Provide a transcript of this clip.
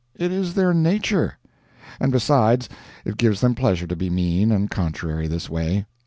It is their nature. And, besides, it gives them pleasure to be mean and contrary this way.